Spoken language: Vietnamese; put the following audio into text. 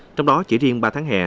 trong đó chỉ riêng ba tháng hè